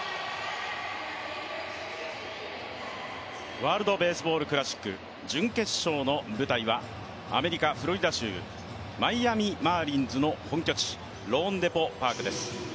ワールドベースボールクラシック準決勝の舞台はアメリカフロリダ州マイアミ・マーリンズの本拠地ローンデポ・パークです。